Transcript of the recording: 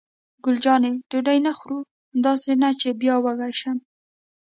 ګل جانې: ډوډۍ نه خورو؟ داسې نه چې بیا وږې شم.